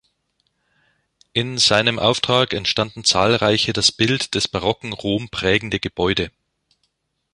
In seinem Auftrag entstanden zahlreiche das Bild des barocken Rom prägende Gebäude.